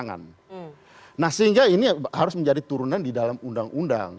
nah sehingga ini harus menjadi turunan di dalam undang undang